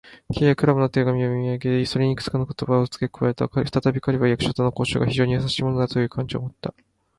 Ｋ はクラムの手紙を読みあげ、それにいくつかの言葉をつけ加えた。ふたたび彼は、役所との交渉が非常にやさしいものなのだという感情をもった。